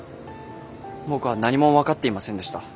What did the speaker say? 僕は何も分かっていませんでした。